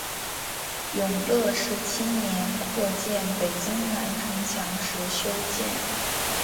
永乐十七年扩建北京南城墙时修建。